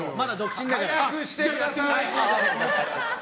早くしてください！